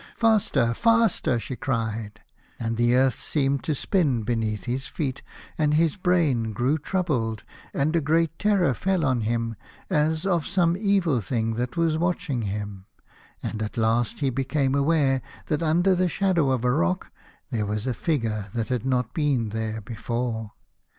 "Faster, faster!" she cried, and the earth seemed to spin beneath his feet, and his brain grew troubled, and a great terror fell on him, as of some evil thing 79 A House of Pomegranates. that was watching him, and at last he became aware that under the shadow of a rock there was a figure that had not been there before.